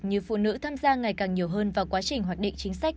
như phụ nữ tham gia ngày càng nhiều hơn vào quá trình hoạt định chính sách